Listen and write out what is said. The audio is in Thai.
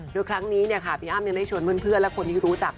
โดยครั้งนี้พี่อ้ำยังได้ชวนเพื่อนและคนที่รู้จัก